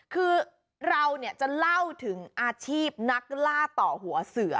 คือเราจะเล่าถึงอาชีพนักล่าต่อหัวเสือ